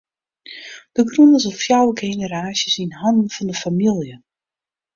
De grûn is al fjouwer generaasjes yn hannen fan de famylje.